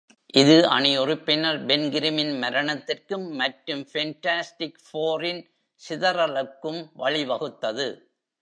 இது அணி உறுப்பினர் பென் கிரிமின் மரணத்திற்கும் மற்றும் ஃபென்டாஸ்டிக் ஃபோரின் சிதறலுக்கும் வழிவகுத்தது.